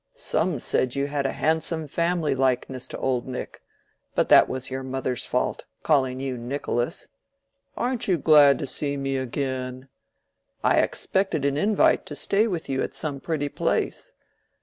Some said you had a handsome family likeness to old Nick, but that was your mother's fault, calling you Nicholas. Aren't you glad to see me again? I expected an invite to stay with you at some pretty place.